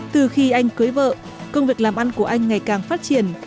từ khi anh cưới vợ công việc làm ăn của anh ngày càng phát triển